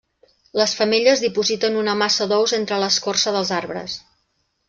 Les femelles dipositen una massa d'ous entre l'escorça dels arbres.